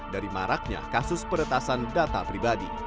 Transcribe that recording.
dari maraknya kasus peretasan data pribadi